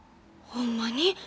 ほんまに？